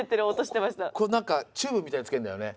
これ何かチューブみたいなのつけるんだよね。